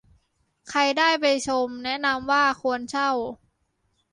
ใครได้ไปชมแนะนำว่าควรเช่า